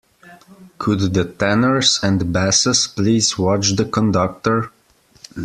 Could the tenors and basses please watch the conductor?